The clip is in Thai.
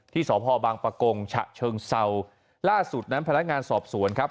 สพบางประกงฉะเชิงเศร้าล่าสุดนั้นพนักงานสอบสวนครับ